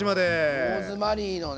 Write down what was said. ローズマリーのね